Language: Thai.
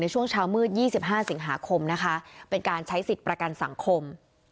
ช่วงเช้ามืด๒๕สิงหาคมนะคะเป็นการใช้สิทธิ์ประกันสังคม